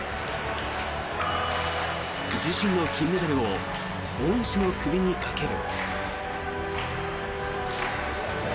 自身の金メダルを恩師の首にかける。